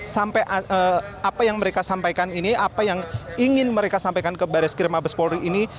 sampai apa yang mereka sampaikan ini apa yang ingin mereka sampaikan ke baris krim abes polri ini